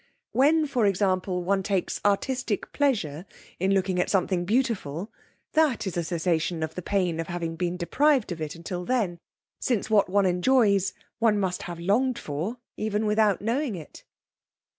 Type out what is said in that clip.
When, for example, one takes artistic pleasure in looking at something beautiful, that is a cessation of the pain of having been deprived of it until then, since what one enjoys one must have longed for even without knowing it.